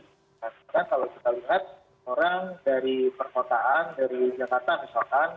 karena kalau kita lihat orang dari perkotaan dari jakarta misalkan